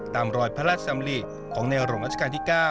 ตามรอยพระราชสำริของในหลวงราชการที่๙